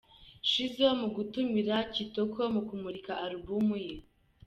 Shizzo mu gutumira Kitoko mu kumurika alubumu ye.